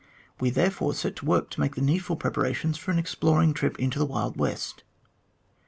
We therefore set to work to make the needful preparations for an exploring trip into the wild west.